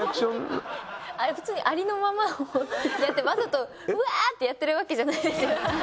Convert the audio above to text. あれ普通にありのままを。わざとうわぁってやってるわけじゃないですよ。